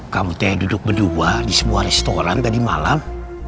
kamu duduk berdua di sebuah restoran tadi malam